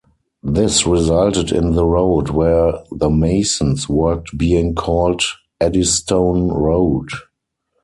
This resulted in the road where the masons worked being called Eddystone Road.